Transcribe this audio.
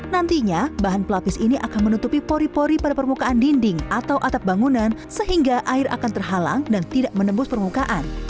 nantinya bahan pelapis ini akan menutupi pori pori pada permukaan dinding atau atap bangunan sehingga air akan terhalang dan tidak menembus permukaan